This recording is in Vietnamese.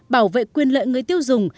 bảo vệ quyền lợi người tiêu dùng